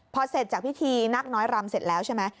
พอเสร็จจากพิธีนักน้อยรำเสร็จแล้วใช่ไหม